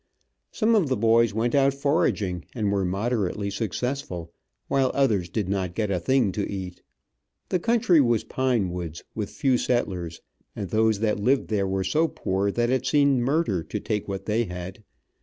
Some of the boys went out foraging, and were moderately successful, while others did not get a thing to eat. The country was pine woods, with few settlers, and those that lived there were so poor that it seemed murder to take what they had.